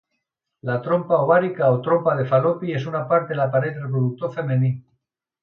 La trompa ovàrica, o trompa de Fal·lopi, és una part de l'aparell reproductor femení.